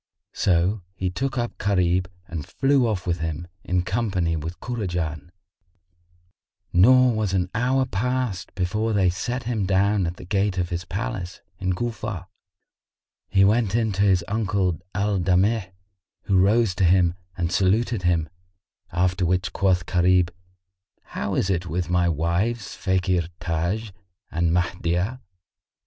So he took up Gharib and flew off with him, in company with Kurajan; nor was an hour past before they set him down at the gate of his palace, in Cufa. He went in to his uncle Al Damigh, who rose to him and saluted him; after which quoth Gharib, "How is it with my wives Fakhr Taj[FN#53] and Mahdiyah?"